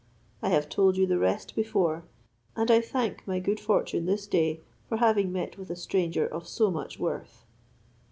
I have told you the rest before; and I thank my good fortune this day for having met with a stranger of so much worth."